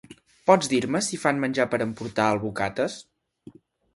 Pots dir-me si fan menjar per emportar al Bocatas?